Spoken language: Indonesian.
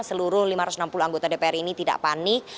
seluruh lima ratus enam puluh anggota dpr ini tidak panik